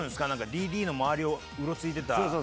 ＤＤの周りをうろついてた？